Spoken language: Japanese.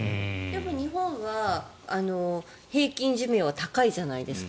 日本は平均寿命が高いじゃないですか。